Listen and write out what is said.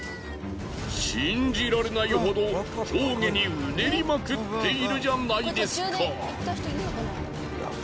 信じられないほど上下にうねりまくっているじゃないですか。